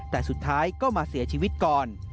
แต่สุดท้ายก็มาเสียชีวิตก่อน